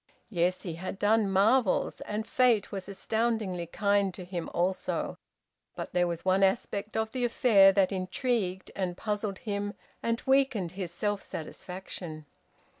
Yes, he had done marvels; and fate was astoundingly kind to him also. But there was one aspect of the affair that intrigued and puzzled him, and weakened his self satisfaction.